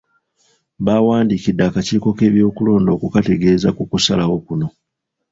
Baawandikidde akakiiko k'ebyokulonda okukategeeza ku kusalawo kuno.